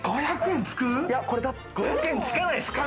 ５００円つかないですか？